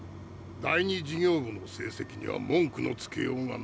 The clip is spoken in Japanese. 第２事業部の成績には文句のつけようがない。